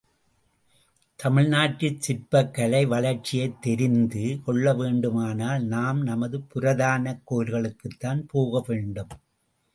தமிழ்நாட்டுச் சிற்பக் கலை வளர்ச்சியைத் தெரிந்து கொள்ள வேண்டுமானால் நாம் நமது புராதனக் கோயில்களுக்குத்தான் போக வேண்டும்.